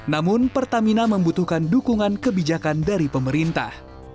namun pertamina membutuhkan dukungan kebijakan dari pemerintah